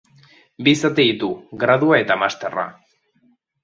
Bi zati ditu: gradua eta masterra.